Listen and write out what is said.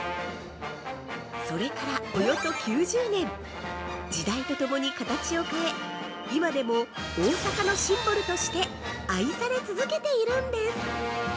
それから、およそ９０年時代とともに形を変え、今でも大阪のシンボルとして愛され続けているんです。